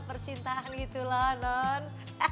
percintaan gitu loh non